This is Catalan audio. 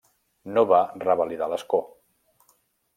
No va revalidar l'escó.